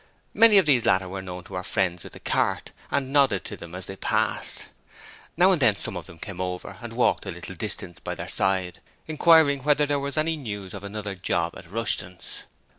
Many of these latter were known to our friends with the cart, and nodded to them as they passed. Now and then some of them came over and walked a little distance by their side, inquiring whether there was any news of another job at Rushton's.